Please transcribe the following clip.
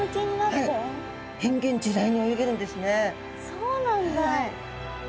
そうなんだ。